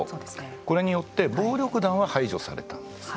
これによって暴力団は排除されたんですね